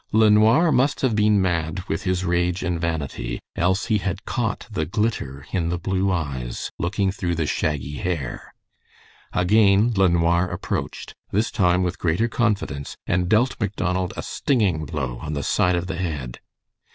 LeNoir must have been mad with his rage and vanity, else he had caught the glitter in the blue eyes looking through the shaggy hair. Again LeNoir approached, this time with greater confidence, and dealt Macdonald a stinging blow on the side of the head.